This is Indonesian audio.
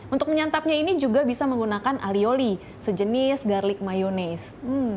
untuk menyantapnya ini juga bisa menggunakan alioli sejenis garlic mayonese